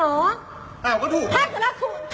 เอ้าก็ถูกค่ะ